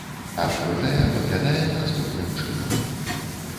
Адкрытая выглядае наступным чынам.